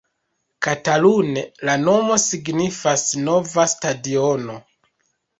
Katalune, la nomo signifas nova stadiono.